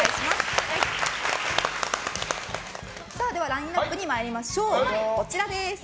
ラインアップに参りましょう。